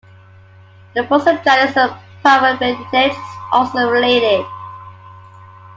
The fossil genus "Parapedetes" is also related.